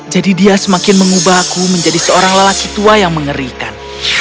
jadi dia semakin mengubah aku menjadi seorang lelaki tua yang mengerikan